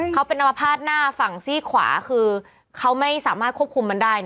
เขาเป็นอมภาษณ์หน้าฝั่งซี่ขวาคือเขาไม่สามารถควบคุมมันได้